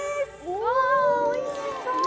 わあおいしそう！